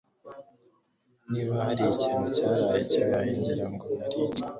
Niba hari ikintu cyaraye kibaye ngira ngo nari kubyumva